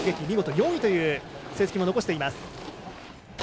見事４位という成績も残しています。